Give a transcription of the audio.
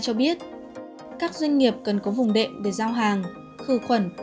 cho biết các doanh nghiệp cần có vùng đệm để giao hàng khử khuẩn